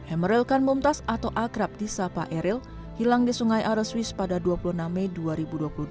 emeril kan mumtaz atau akrab di sapa eril hilang di sungai are swiss pada dua puluh enam mei dua ribu dua puluh dua